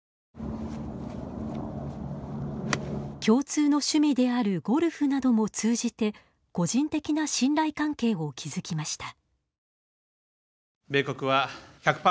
共通の趣味であるゴルフなども通じて個人的な信頼関係を築きました。